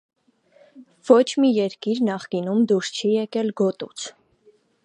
Ոչ մի երկիր նախկինում դուրս չի եկել գոտուց։